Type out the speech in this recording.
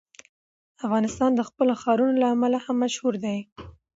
افغانستان د خپلو ښارونو له امله هم مشهور دی.